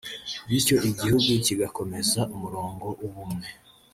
bityo igihugu kigakomeza umurongo w’ubumwe